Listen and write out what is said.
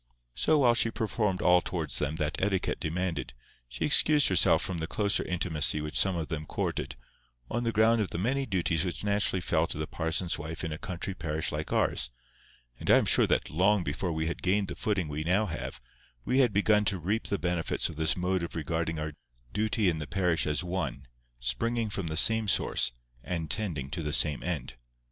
So, while she performed all towards them that etiquette demanded, she excused herself from the closer intimacy which some of them courted, on the ground of the many duties which naturally fell to the parson's wife in a country parish like ours; and I am sure that long before we had gained the footing we now have, we had begun to reap the benefits of this mode of regarding our duty in the parish as one, springing from the same source, and tending to the same end.